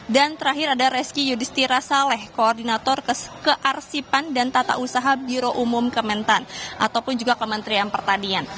dan terakhir ada reski yudhistira saleh koordinator kearsipan dan tata usaha biro umum kementerian ataupun juga kementerian pertanian